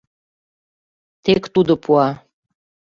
Тек тудо пуа.